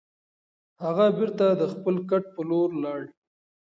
هغه بېرته د خپل کټ په لور لاړ.